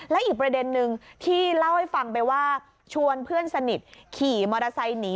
และอีกประเด็นนึงที่เล่าให้ฟังไปว่าชวนเพื่อนสนิทขี่มอเตอร์ไซค์หนี